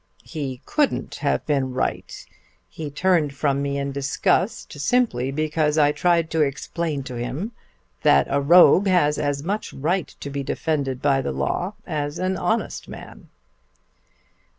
"He couldn't have been right. He turned from me in disgust simply because I tried to explain to him that a rogue has as much right to be defended by the law as an honest man."